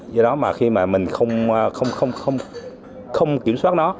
do đó mà khi mà mình không kiểm soát nó